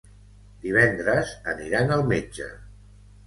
Divendres aniran al metge.